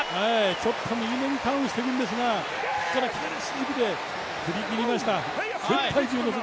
ちょっと右めにターンしてるんですがここから左足を主軸で踏み切りました。